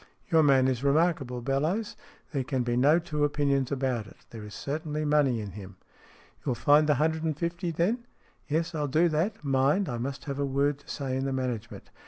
Your man is remarkable, Bellowes. There can be no two opinions about it. There is certainly money in him." " You will find the hundred and fifty, then ?" "Yes, I'll do that. Mind, I must have a word to say in the management.